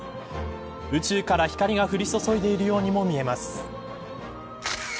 宇宙から光が降り注いでいるようにも見えます。